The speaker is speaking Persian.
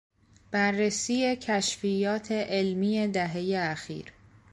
بررسی کشفیات علمی دههی اخیر